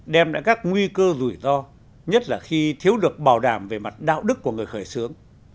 đem lại các nguy cơ rủi ro nhất là khi thiếu được bảo đảm về mặt đạo đức của người khởi xướng